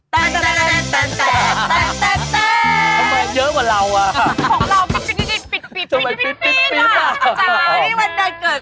ทำไมเยอะกว่าเรา